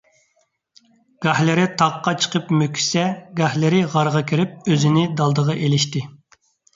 گاھىلىرى تاغقا چىقىپ مۆكۈشسە، گاھىلىرى غارغا كىرىپ ئۆزىنى دالدىغا ئېلىشتى.